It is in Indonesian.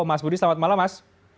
mas budi selamat malam mas